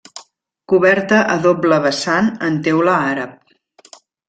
Coberta a doble vessant en teula àrab.